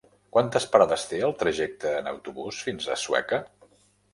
Quantes parades té el trajecte en autobús fins a Sueca?